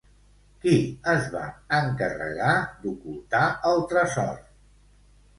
Qui es va encarregar d'ocultar el tresor?